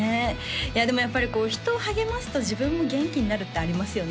いやでもやっぱり人を励ますと自分も元気になるってありますよね